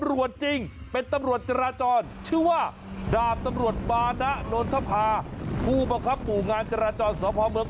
โอ้โหต้องเอาใจช่วยคุณตำรวจท่านนี้เรียกได้ว่าเกาะติดเกาะติดเกาะติด